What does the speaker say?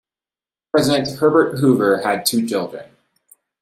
President Herbert Hoover had two children.